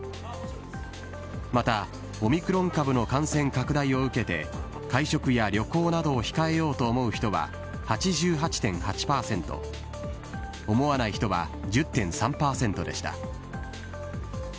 また、オミクロン株の感染拡大を受けて、会食や旅行などを控えようと思う人は８８．８％、思わない人は１０．３％でした。